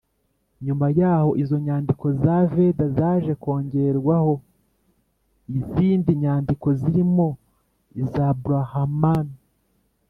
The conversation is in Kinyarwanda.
nyuma yaho izo nyandiko za veda zaje kongerwaho izindi nyandiko, zirimo iza brahmana